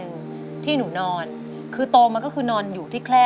ทั้งในเรื่องของการทำงานเคยทำนานแล้วเกิดปัญหาน้อย